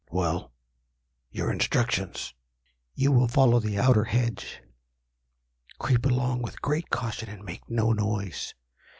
"Well, your instructions!" "You will follow the outer hedge. Creep along with great caution, and make no noise.